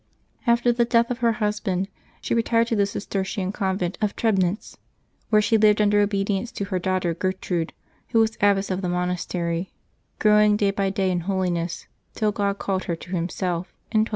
After the death of her husband she retired to the Cistercian convent of Trebnitz, where she lived under obedience to her daugh ter Gertrude, who was abbess of the monastery, growing day by day in holiness, till God called her to Himself, in 1242.